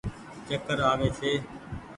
چڪر آوي ڇي ۔